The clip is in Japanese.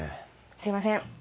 すいません。